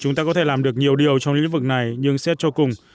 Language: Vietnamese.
chúng ta có thể làm được nhiều điều trong những lĩnh vực này nhưng xét cho cùng